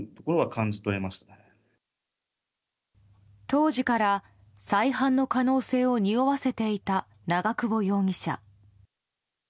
当時から再犯の可能性をにおわせていた長久保容疑者。